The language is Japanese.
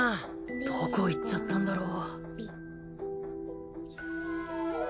どこ行っちゃったんだろう。